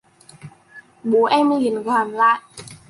Bố em liền gàn lại